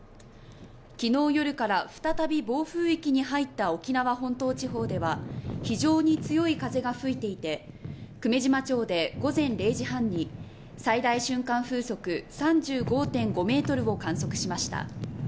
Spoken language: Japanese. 昨日夜から再び暴風域に入った沖縄本島地方では非常に強い風が吹いていて久米島町で午前０時半に最大瞬間風速３５．５メートルを観測しました。